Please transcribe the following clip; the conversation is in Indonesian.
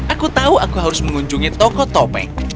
aku tahu aku harus mengunjungi toko topeng